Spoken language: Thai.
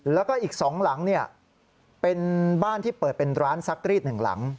แล้วก็อีก๒หลังเป็นบ้านที่เปิดเป็นร้านซักรีดหนึ่งหลัง